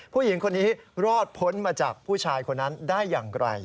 ผู้หญิงคนนี้รอดพ้นมาจากผู้ชายคนนั้นได้อย่างไร